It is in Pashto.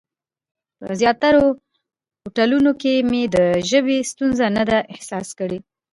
په زیاترو هوټلونو کې مې د ژبې ستونزه نه ده احساس کړې.